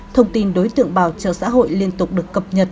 thông tin đối tượng bảo trợ xã hội liên tục được cập nhật